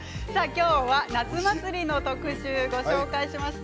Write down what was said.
今日は夏祭りの特集をご紹介しました。